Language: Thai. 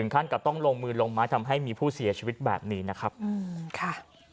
ก็ต้องลงมือลงมาทำให้มีผู้เสียชีวิตแบบนี้นะครับอืมค่ะ